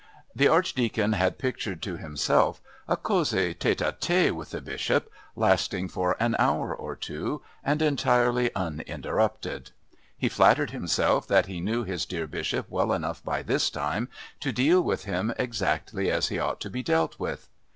The Archdeacon had pictured to himself a cosy tête à tête with the Bishop lasting for an hour or two, and entirely uninterrupted. He flattered himself that he knew his dear Bishop well enough by this time to deal with him exactly as he ought to be dealt with.